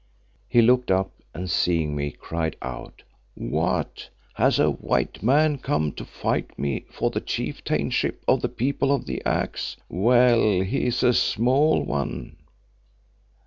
He looked up and seeing me, cried out, "What! Has a white man come to fight me for the chieftainship of the People of the Axe? Well, he is a small one."